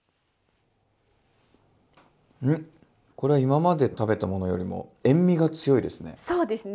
うんこれは今まで食べたものよりも塩味が強いですね。